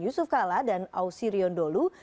yusuf kala dan ausirion dholu